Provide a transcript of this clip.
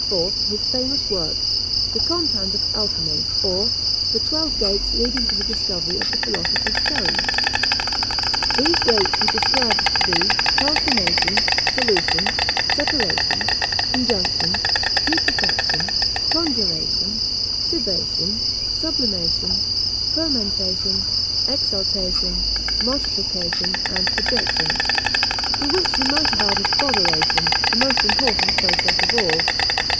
his famous work, The Compound of Alchymy; or, the Twelve Gates leading to the Discovery of the Philosopher's Stone. These gates he described to be calcination, solution, separation, conjunction, putrefaction, congelation, cibation, sublimation, fermentation, exaltation, multiplication, and projection; to which he might have added botheration, the most important process of all.